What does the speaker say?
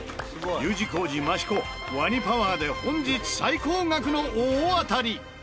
Ｕ字工事益子ワニパワーで本日最高額の大当たり！